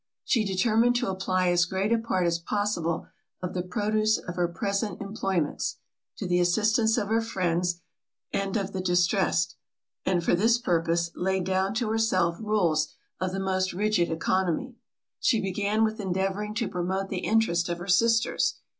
She determined to apply as great a part as possible of the produce of her present employments, to the assistance of her friends and of the distressed; and, for this purpose, laid down to herself rules of the most rigid economy. She began with endeavouring to promote the interest of her sisters.